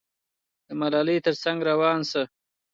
د ملالۍ تر څنګ روان شه.